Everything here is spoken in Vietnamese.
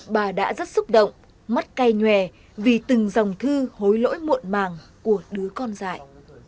bà đã rất xúc động mắt cay nhòe vì từng dòng thư hối lỗi muộn màng của đứa con dại